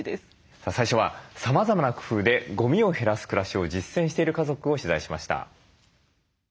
さあ最初はさまざまな工夫でゴミを減らす暮らしを実践している家族を取材しました。